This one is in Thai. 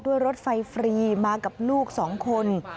ด้วยรถไฟฟรีมากับลูกสองคน